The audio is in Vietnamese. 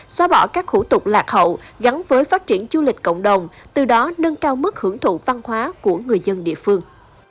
xóa bỏ các khủ tục lạc hậu gắn với phát triển du lịch cộng đồng từ đó nâng cao mức hưởng thụ văn hóa của người dân địa phương